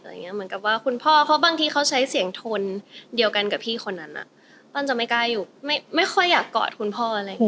เหมือนกับว่าคุณพ่อเขาบางทีเขาใช้เสียงทนเดียวกันกับพี่คนนั้นต้อนจะไม่กล้าอยู่ไม่ค่อยอยากกอดคุณพ่ออะไรอย่างนี้